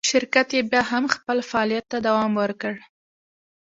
شرکت یې بیا هم خپل فعالیت ته دوام ورکړ.